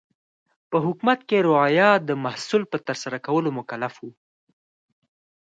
په حکومت کې رعایا د محصول په ترسره کولو مکلف و.